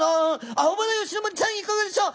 アオバラヨシノボリちゃんいかがでしょう？